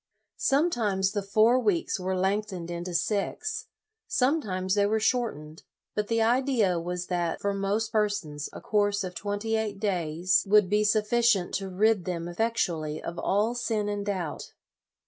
Sometimes the four weeks were length 7 o LOYOLA ened into six; sometimes they were short ened; but the idea was that for most per sons a course of twenty eight days would be sufficient to rid them effectually of all sin and doubt.